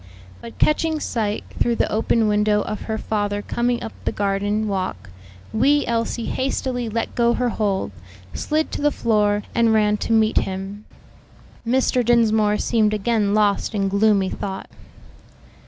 But catching sight, through the open window, of her father coming up the garden walk, wee Elsie hastily let go her hold, slid to the floor and ran to meet him. Mr. Dinsmore seemed again lost in gloomy thought.